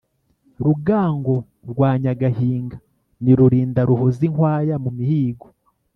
Rugango rwa Nyagahinga ni Rurinda ruhoza inkwaya mu mihigo